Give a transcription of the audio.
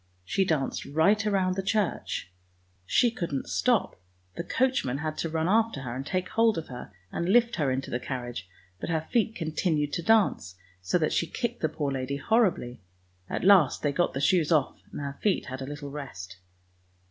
She danced right round the church; she couldn't stop; the coach man had to run after her and take hold of her, and lift her into the carriage ; but her feet continued to dance, so that she kicked the poor lady horribly. At last they got the shoes off, and her feet had a little rest.